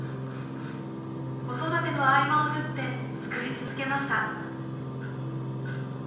子育ての合間を縫って作り続けました。